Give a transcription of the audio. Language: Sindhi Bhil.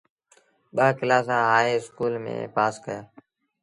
ٻآ ڪلآس هآئي اسڪول ميݩ پآس ڪيآ۔